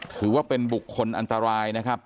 ถือว่าเป็นบุคคลอันตรายนะครับ